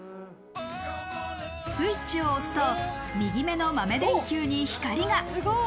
スイッチを押すと右目の豆電球に光が。